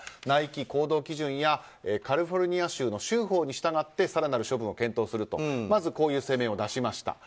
内規、行動基準やカリフォルニア州の州法に従って更なる処分を検討するとまずこういう声明を出しました。